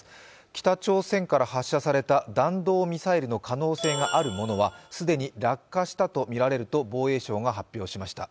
北朝鮮から発射された弾道ミサイルの可能性があるものは既に落下したとみられると防衛省が発表しました。